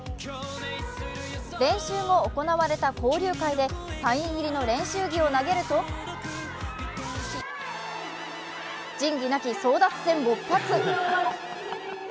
練習後、行われた交流会でサイン入りの練習着を投げると仁義なき争奪戦が勃発。